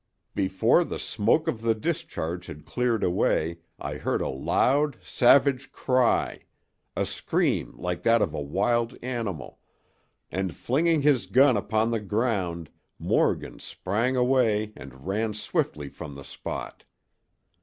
Before the smoke of the discharge had cleared away I heard a loud savage cry—a scream like that of a wild animal—and flinging his gun upon the ground Morgan sprang away and ran swiftly from the spot.